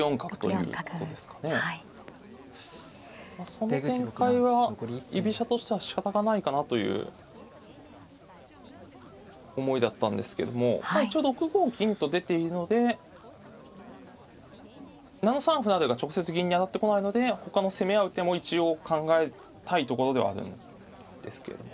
その展開は居飛車としてはしかたがないかなという思いだったんですけども一応６五銀と出ているので７三歩成が直接銀に当たってこないのでほかの攻め合う手も一応考えたいところではあるんですけれども。